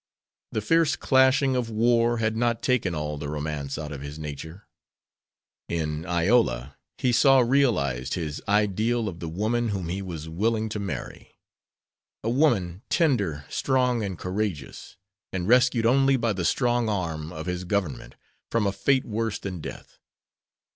The fierce clashing of war had not taken all the romance out of his nature. In Iola he saw realized his ideal of the woman whom he was willing to marry. A woman, tender, strong, and courageous, and rescued only by the strong arm of his Government from a fate worse than death.